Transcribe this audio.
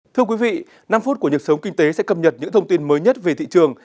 thưa quý vị năm phút của nhật sống kinh tế sẽ cập nhật những thông tin mới nhất về thị trường